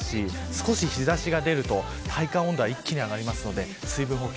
少し日差しが出ると体感温度は一気に上がりますので水分補給